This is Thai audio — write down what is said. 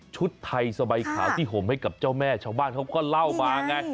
ชุดไทยสบายขาวที่ห่มให้กับเจ้าแม่ชาวบ้านเขาก็เล่ามาไง